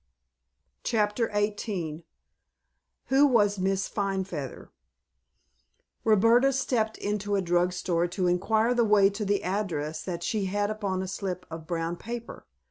CHAPTER XVIII WHO WAS MISS FINEFEATHER Roberta stepped into a drug store to inquire the way to the address that she had upon a slip of brown paper.